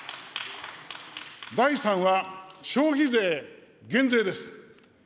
第３は、消費税減税です。